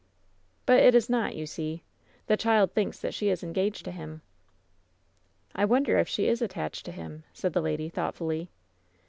"But it is not, you see. The child thinks that she is engaged to him." "I wonder if she is attached to him," said the lady, thoughtfully.